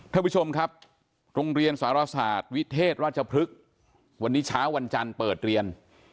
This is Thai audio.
ท่านผู้ชมครับโรงเรียนสารศาสตร์วิเทศราชพฤกษ์วันนี้เช้าวันจันทร์เปิดเรียน